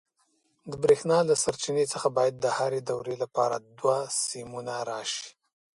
د برېښنا له سرچینې څخه باید د هرې دورې لپاره دوه سیمونه راشي.